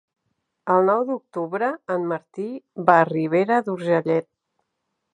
El nou d'octubre en Martí va a Ribera d'Urgellet.